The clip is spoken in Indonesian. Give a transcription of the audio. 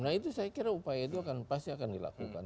nah itu saya kira upaya itu pasti akan dilakukan